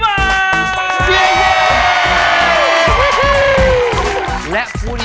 กิเลนพยองครับ